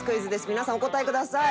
皆さんお答えください。